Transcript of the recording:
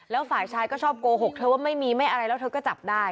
แล้วฝ่ายชายก็ชอบโกหกเธอว่าไม่มีไม่อะไรแล้วเธอก็จับได้